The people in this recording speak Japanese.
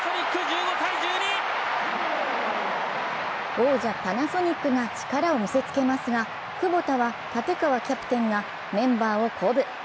王者・パナソニックが力を見せつけますが、クボタは立川キャプテンがメンバーを鼓舞。